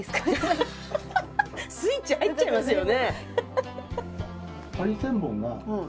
スイッチ入っちゃいますよね。